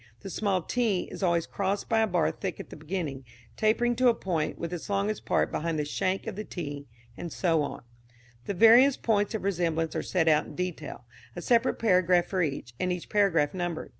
The small t is always crossed by a bar thick at the beginning, tapering to a point, with its longest part behind the shank of the t [and so on]. The various points of resemblance are set out in detail, a separate paragraph for each, and each paragraph numbered.